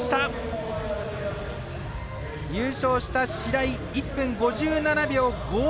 優勝した白井１分５７秒５２。